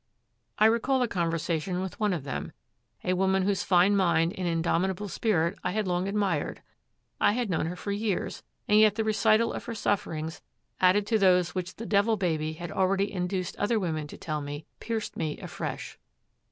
I recall a conversation with one of them, a woman whose fine mind and indomitable spirit I had long admired; I had known her for years, and yet the recital of her sufferings, added to those which the Devil Baby had already induced other women to tell me, pierced me afresh.